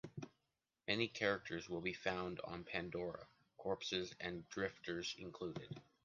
Many characters will be found on Pandora, corpses and drifters included.